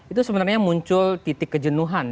itu sebenarnya muncul titik kejenuhan